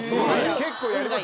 結構やってます。